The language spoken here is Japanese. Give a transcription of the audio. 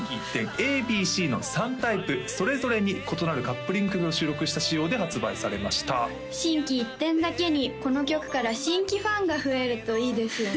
ＡＢＣの３タイプそれぞれに異なるカップリング曲を収録した仕様で発売されました「心機一転」だけにこの曲から新規ファンが増えるといいですよね